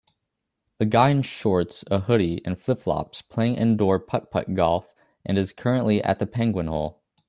A guy in shorts a hoodie and flips flops playing indoor putt putt golf and is currently at the penguin hole